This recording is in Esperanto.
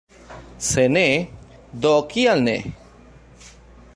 Se ne, do kial ne?